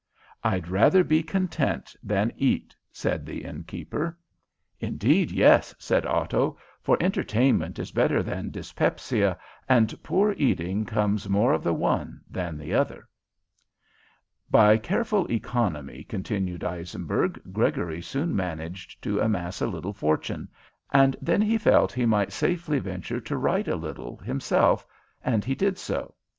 "I'd rather be content than eat," said the innkeeper. "Indeed, yes," said Otto, "for entertainment is better than dyspepsia, and poor eating comes more of the one than the other." "By careful economy," continued Eisenberg, "Gregory soon managed to amass a little fortune, and then he felt he might safely venture to write a little himself, and he did so.